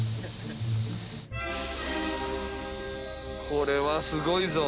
これはすごいぞ。